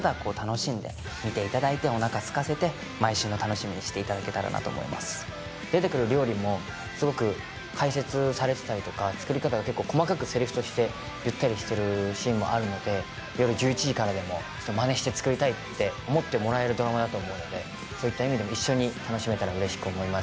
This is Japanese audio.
そこはもう見ていただければ出てくる料理もすごく解説されてたりとか作り方が結構細かくセリフとして言ったりしてるシーンもあるので夜１１時からでもまねして作りたいって思ってもらえるドラマだと思うのでそういった意味でも一緒に楽しめたら嬉しく思います